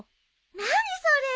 何それ。